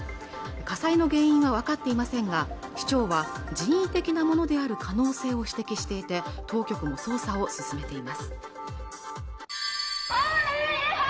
火災の原因は分かっていませんが市長は人為的なものである可能性を指摘していて当局も捜査を進めています